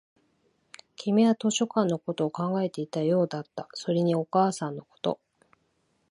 君は図書館のことを考えていたようだった、それにお母さんのこと